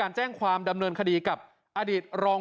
ไฮโซลุคนัทบอกว่าครั้งแรกที่เขารู้เรื่องนี้ได้ยินเรื่องนี้เนี่ย